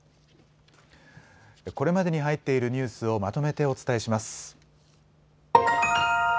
これまでに入っているニュースをまとめてお伝えします。